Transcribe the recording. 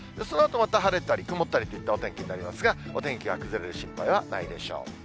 そのあとまた晴れたり、曇ったりといったお天気になりますが、お天気は崩れる心配はないでしょう。